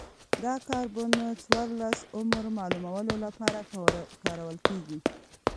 د کاربن څورلس عمر معلومولو لپاره کارول کېږي.